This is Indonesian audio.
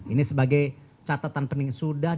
ini sebagai catatan penting sudah